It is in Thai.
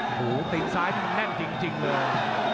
โอ้โหติดซ้ายพวกแน่นจริงเลย